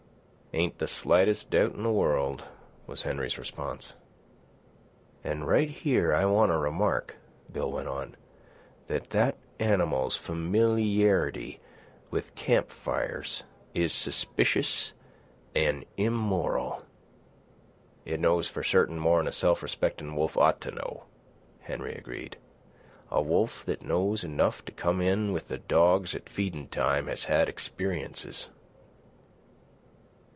"Ain't the slightest doubt in the world," was Henry's response. "An' right here I want to remark," Bill went on, "that that animal's familyarity with campfires is suspicious an' immoral." "It knows for certain more'n a self respectin' wolf ought to know," Henry agreed. "A wolf that knows enough to come in with the dogs at feedin' time has had experiences."